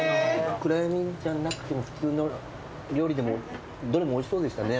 くらやみじゃなくても普通の料理でもどれもおいしそうでしたね。